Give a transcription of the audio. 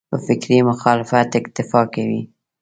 په فکري مخالفت اکتفا کوي.